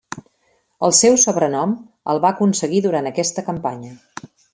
El seu sobrenom el va aconseguir durant aquesta campanya.